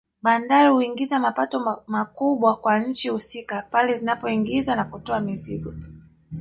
Bandari huingiza mapato makubwa kwa nchi husika pale zinapoingiza na kutoa mizigo